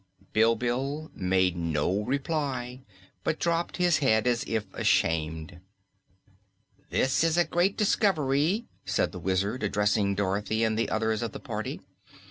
Bilbil made no reply but dropped his head as if ashamed. "This is a great discovery," said the Wizard, addressing Dorothy and the others of the party.